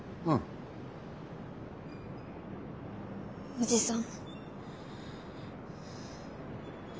おじさん。